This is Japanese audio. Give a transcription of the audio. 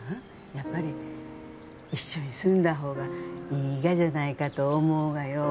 やっぱり一緒に住んだ方がいいがじゃないかと思うがよ